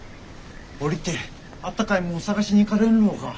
下りてあったかいもん探しに行かれんろうか？